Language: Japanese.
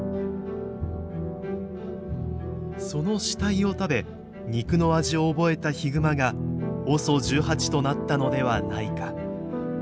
その死体を食べ肉の味を覚えたヒグマがＯＳＯ１８となったのではないか。